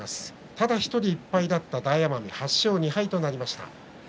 ただ１人１敗だった大奄美８勝２敗となりました。